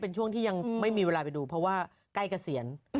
เป็นช่วงที่ยังไม่มีเวลาไปดูเพราะว่าใกล้เกษียณ